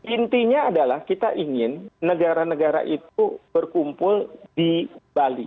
intinya adalah kita ingin negara negara itu berkumpul di bali